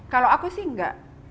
kalau aku sih enggak